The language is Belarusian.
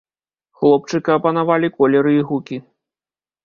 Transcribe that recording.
Хлопчыка апанавалі колеры і гукі.